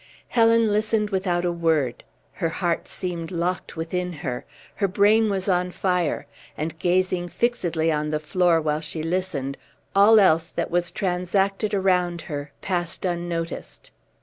Helen listened without a word; her heart seemed locked within her; her brain was on fire; and gazing fixedly on the floor while she listened, all else that was transacted around her passed unnoticed.